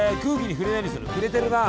触れてるなあ。